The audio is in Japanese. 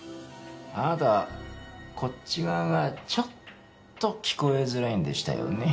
あなたこっち側がちょっと聞こえづらいんでしたよね。